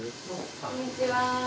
こんにちは。